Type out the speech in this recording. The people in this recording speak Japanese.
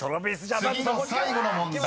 ［次の最後の問題